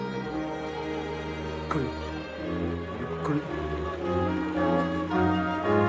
ゆっくりゆっくり。